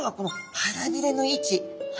腹びれの位置？